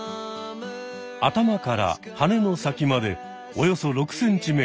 頭からはねの先までおよそ６ｃｍ。